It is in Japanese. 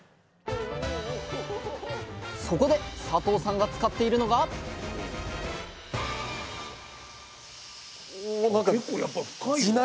そこで佐藤さんが使っているのがおなんかえ⁉